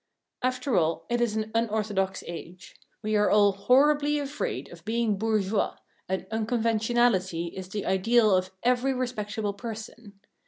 After all, it is an unorthodox age. We are all horribly afraid of being bourgeois, and unconventionality is the ideal of every respectable person.